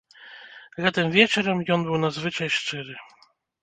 Гэтым вечарам ён быў надзвычай шчыры.